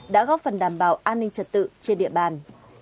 đã góp phần đảm bảo an ninh trật tự trên địa bàn